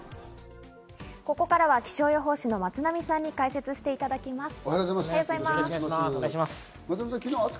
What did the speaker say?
ここからは気象予報士の松並さんに解説していただきます。